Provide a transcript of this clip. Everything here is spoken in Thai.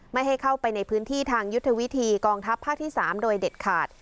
ไม่ให้เข้าไปในพื้นที่ทางยุทธวิธีกองทัพภาคที่๓โดยเด็ดขาด